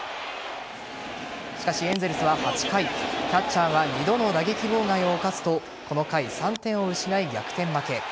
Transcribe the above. しかし、エンゼルスは８回キャッチャーが２度の打撃妨害を犯すとこの回、３点を失い逆転負け。